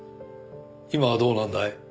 今はどうなんだい？